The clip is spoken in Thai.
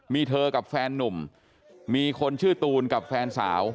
มีเธอกับแฟนนุ่มมีคนชื่อตูนกับแฟนสาว